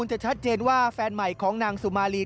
จะชัดเจนว่าแฟนใหม่ของนางสุมารี